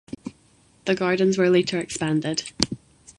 The gardens were later expanded.